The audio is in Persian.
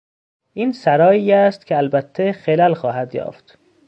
این سرایی است که البته خلل خواهد یافت.